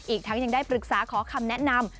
อีกทั้งยังได้ปรึกษาขอคำแนะนำ